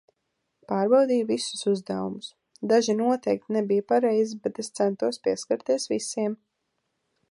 Pārbaudīju visus uzdevumus. Daži noteikti nebija pareizi, bet es centos pieskarties visiem.